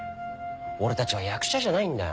俺たちは役者じゃないんだよ。